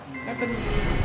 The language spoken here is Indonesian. apa yang terjadi